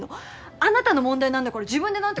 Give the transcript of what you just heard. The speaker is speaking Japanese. あなたの問題なんだから自分で何とか。